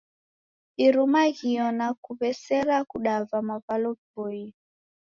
Irumaghio na kuw'esera, kudava mavalo ghiboie.